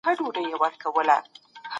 که انلاین کتابتون وي نو خلګ نه وروسته کیږي.